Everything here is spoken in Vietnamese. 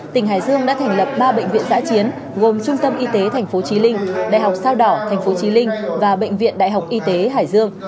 tỉnh hải dương đã thành lập ba bệnh viện giã chiến gồm trung tâm y tế thành phố trí linh đại học sao đỏ tp chí linh và bệnh viện đại học y tế hải dương